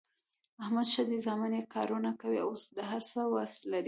احمد ښه دی زامن یې کارونه کوي، اوس د هر څه وس لري.